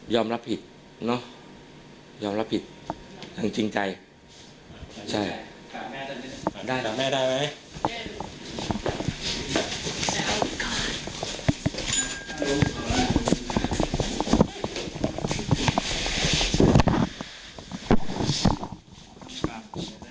ยอมรับผิดเนาะยอมรับผิดทั้งจริงใจใช่ตามแม่ได้ไหม